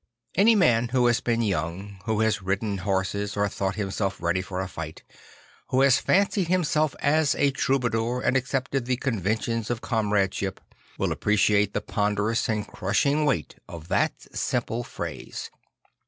Any man who has been young, \vho has ridden horses or thought himself ready for a fight, who has fancied himself as a troubadour and accepted the conventions of comradeship, will appreciate the ponderous and crushing \veight of that simple phrase.